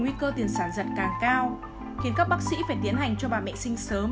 nguy cơ tiền sản giật càng cao khiến các bác sĩ phải tiến hành cho bà mẹ sinh sớm